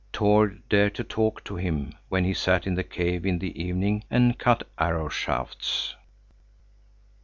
Tord dared to talk to him when he sat in the cave in the evening and cut arrow shafts.